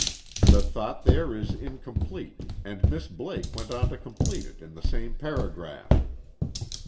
The thought there is incomplete, and Miss Blake went on to complete it in the same paragraph.